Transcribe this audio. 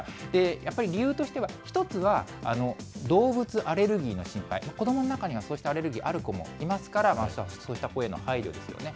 やっぱり理由としては１つは動物アレルギーの心配、子どもの中にはそうしたアレルギーある子もいますから、そういった声への配慮ですよね。